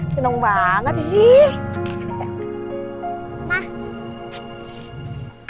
seneng banget sih